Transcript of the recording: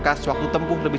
kurang setuju sih